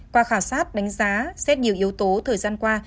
qua khảo sát đánh giá xét nhiều yếu tố thời gian qua